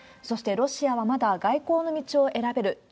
そして、ロシアはまだ外交の道を選べる。